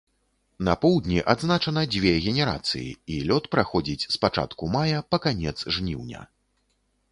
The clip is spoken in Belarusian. На поўдні адзначана дзве генерацыі і лёт праходзіць з пачатку мая па канец жніўня.